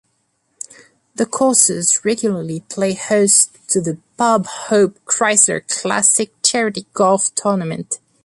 The courses regularly play host to the Bob Hope Chrysler Classic charity golf tournament.